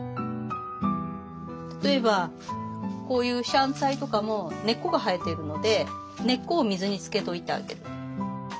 例えばこういうシャンツァイとかも根っこが生えてるので根っこを水につけといてあげる。